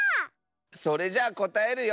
それじゃあこたえるよ。